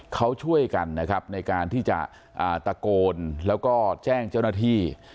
เขาช่วยกันนะครับในการที่จะตะโกนแล้วก็แจ้งเจ้าหน้าที่